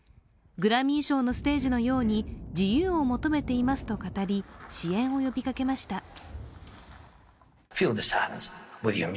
グラミー賞のステージのように自由を求めていますと語り支援を呼びかけました。